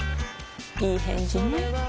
いい返事ね